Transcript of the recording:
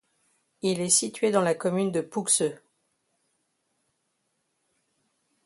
Il est situé dans la commune de Pouxeux.